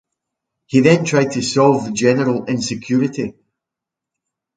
He then tried to solve the general insecurity.